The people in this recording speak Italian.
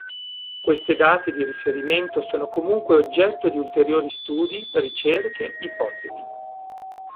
Queste date di riferimento sono comunque oggetto di ulteriori studi, ricerche, ipotesi.